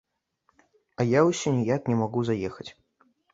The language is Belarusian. А я ўсё ніяк не магу заехаць.